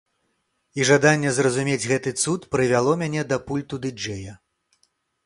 І жаданне зразумець гэты цуд прывяло мяне да пульту ды-джэя.